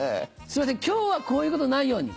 すいません今日はこういうことないように。